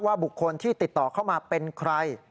บุคคลที่ติดต่อเข้ามาเป็นใคร